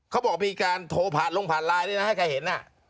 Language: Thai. เขาบอกมีการโทรผ่านลงผ่านไลน์ด้วยนะให้ใครเห็น